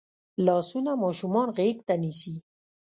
لاسونه ماشومان غېږ ته نیسي